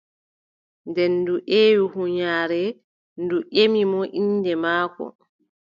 Nden ndu ewni huunyaare ndu ƴemi mo innde maako.